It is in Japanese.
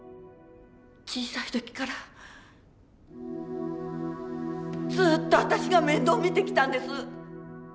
小さい時からずっと私が面倒見てきたんです。